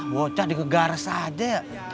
bocah dikegaras aja